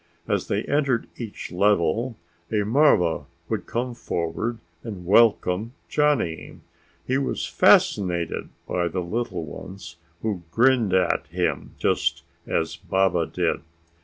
As they entered each level a marva would come forward and welcome Johnny. He was fascinated by the little ones, who grinned at him just as Baba did.